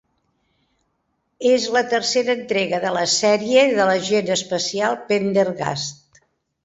És la tercera entrega de la sèrie de l'agent especial Pendergast.